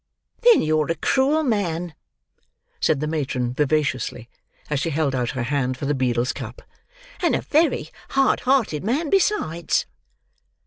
"Then you're a cruel man," said the matron vivaciously, as she held out her hand for the beadle's cup; "and a very hard hearted man besides."